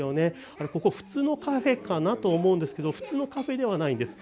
ここ、普通のカフェかなと思いますが普通のカフェではないんです。